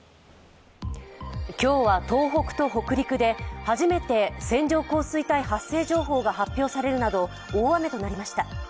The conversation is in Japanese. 今日は、東北と北陸で初めて線状降水帯発生情報が発表されるなど、大雨となりました。